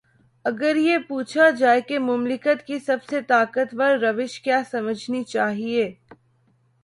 اگر یہ پوچھا جائے کہ مملکت کی سب سے طاقتور روش کیا سمجھنی چاہیے۔